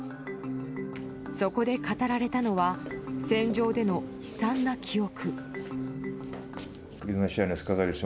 そこで語られたのは戦場での悲惨な記憶。